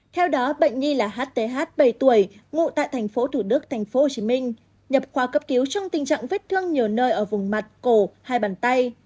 theo đó bệnh nhi là hth bảy tuổi ngụ tại tp thủ đức tp hcm nhập khoa cấp cứu trong tình trạng vết thương nhiều nơi ở vùng mặt cổ hai bàn tay